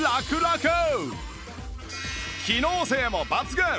機能性も抜群！